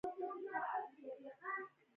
ازادي راډیو د چاپیریال ساتنه بدلونونه څارلي.